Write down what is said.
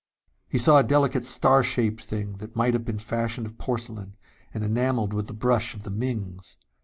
He saw a delicate star shaped thing that might have been fashioned of porcelain and enameled with the brush of the Mings.